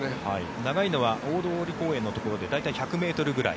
長いのは大通公園のところで大体１００ｍぐらい。